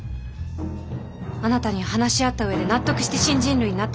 あなたに話し合った上で納得して新人類になってほしかったから。